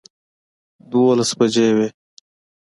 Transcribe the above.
دولس بجې وې